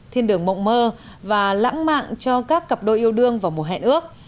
thiên đường mộng mơ và lãng mạn cho các cặp đôi yêu đương vào mùa hẹn ước